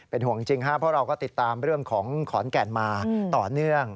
ห่วงจริงครับเพราะเราก็ติดตามเรื่องของขอนแก่นมาต่อเนื่อง